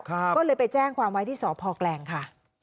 ก็เลยไปแจ้งความไว้ที่สพแกลงค่ะ